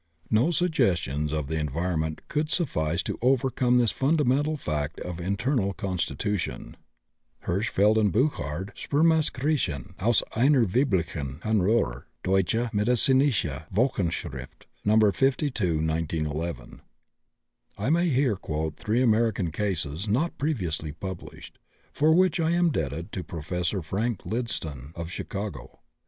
No suggestions of the environment could suffice to overcome this fundamental fact of internal constitution. (Hirschfeld and Burchard, "Spermasekretion aus einer weiblichen Harnröhre," Deutsche medizinische Wochenschrift, No. 52, 1911.) I may here quote three American cases (not previously published), for which I am indebted to Prof. G. Frank Lydston, of Chicago.